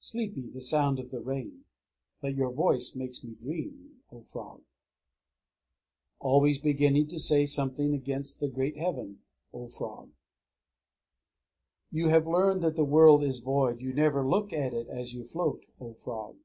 _ Sleepy the sound of the rain; but your voice makes me dream, O frog! Always beginning to say something against the great Heaven, O frog! _You have learned that the world is void: you never look at it as you float, O frog!